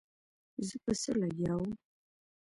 زه په څه لګيا وم.